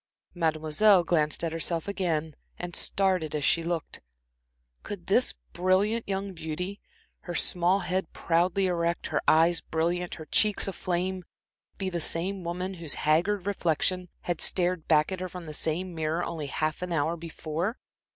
Mademoiselle glanced at herself again, and started as she looked. Could this brilliant young beauty, her small head proudly erect, her eyes brilliant, her cheeks aflame, be the same woman whose haggard reflection had stared back at her from the same mirror only half an hour before?